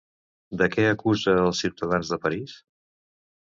De què acusa els ciutadans de París?